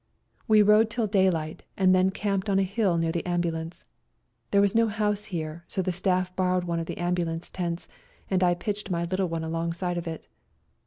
We rode till daylight, and then camped on a hill near the ambulance. There was no house here, so the staff borrowed one of the ambulance tents, and I pitched my little one alongside of it.